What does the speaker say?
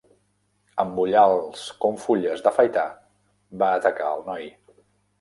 Amb ullals com fulles d'afaitar, va atacar al noi.